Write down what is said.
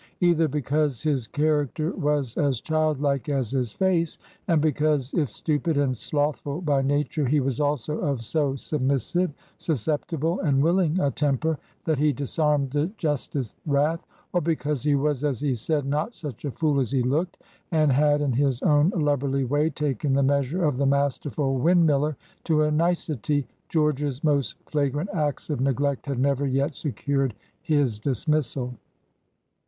Either because his character was as childlike as his face, and because—if stupid and slothful by nature—he was also of so submissive, susceptible, and willing a temper that he disarmed the justest wrath; or because he was, as he said, not such a fool as he looked, and had in his own lubberly way taken the measure of the masterful windmiller to a nicety, George's most flagrant acts of neglect had never yet secured his dismissal.